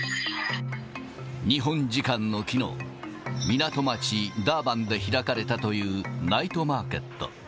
日本時間のきのう、港町、ダーバンで開かれたというナイトマーケット。